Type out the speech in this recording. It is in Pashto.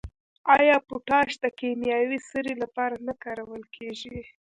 آیا پوټاش د کیمیاوي سرې لپاره نه کارول کیږي؟